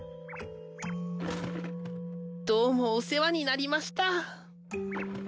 どうもお世話になりました。